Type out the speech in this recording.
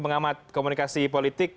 pengamat komunikasi politik